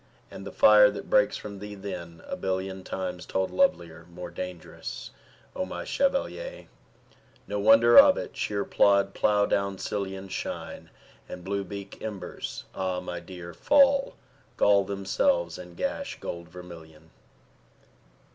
AND the fire that breaks from thee then, a billion Times told lovelier, more dangerous, O my chevalier! No wonder of it: shéer plód makes plough down sillion Shine, and blue bleak embers, ah my dear, Fall, gall themselves, and gash gold vermilion.